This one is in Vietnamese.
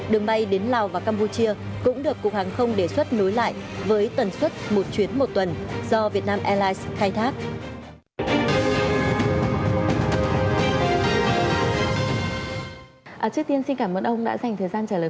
đường bay đến lào và campuchia cũng được cục hàng không đề xuất nối lại